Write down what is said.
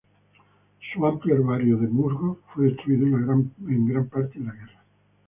Su amplio herbario de musgos fue destruido en gran parte en la guerra.